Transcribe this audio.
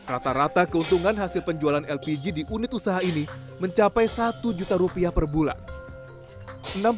rata rata keuntungan hasil penjualan lpg di unit usaha ini mencapai satu juta rupiah per bulan